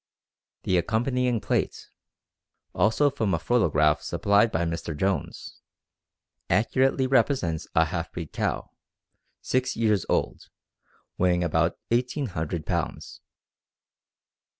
The accompanying plate, also from a photograph supplied by Mr. Jones, accurately represents a half breed cow, six years old, weighing about 1,800 pounds.